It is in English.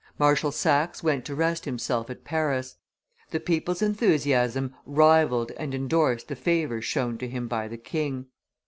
Marshal Saxe went to rest himself at Paris; the people's enthusiasm rivalled and indorsed the favors shown to him by the king.